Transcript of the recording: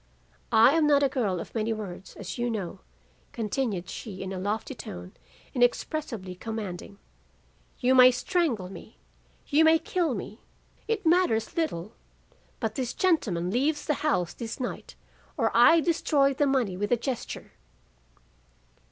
"'I am not a girl of many words, as you know,' continued she in a lofty tone inexpressibly commanding. 'You may strangle me, you may kill me, it matters little; but this gentleman leaves the house this night, or I destroy the money with a gesture.